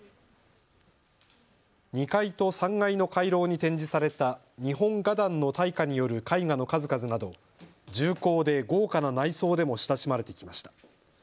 ２階と３階の回廊に展示された日本画壇の大家による絵画の数々など重厚で豪華な内装でも親しまれてきました。